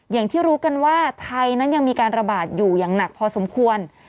อย่างที่รู้กันว่าไทยนั้นยังมีการระบาดอยู่อย่างหนักพอสมควร